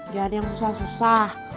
jangan yang susah susah